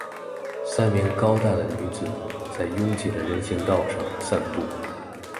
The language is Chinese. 三名高大的女子在拥挤的人行道上散步。